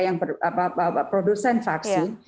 yang produsen vaksin